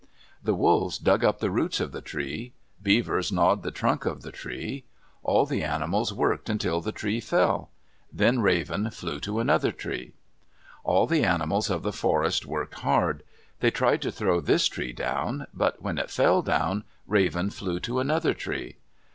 The Wolves dug up the roots of the tree, Beavers gnawed the trunk of the tree. All the animals worked until the tree fell; then Raven flew to another tree. All the animals of the forest worked hard. They tried to throw this tree down. But when it fell down, Raven flew to another tree.